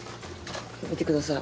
見てください